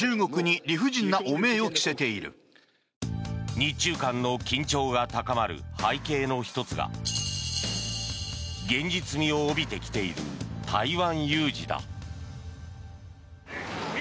日中間の緊張が高まる背景の１つが現実味を帯びてきている台湾有事だ。